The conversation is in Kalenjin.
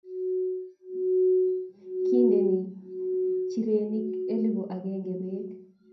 Kindeni nchirenik elfut agenge beek.